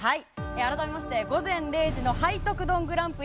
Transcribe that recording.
改めまして午前０時の背徳丼グランプリ。